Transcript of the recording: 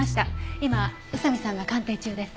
今宇佐見さんが鑑定中です。